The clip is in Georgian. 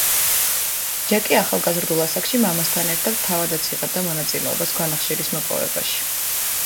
ჯეკი ახალგაზრდულ ასაკში მამასთან ერთად თავადაც იღებდა მონაწილეობას ქვანახშირის მოპოვებაში.